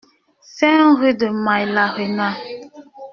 cinq rue de Maillarenea